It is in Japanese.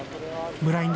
ブラインド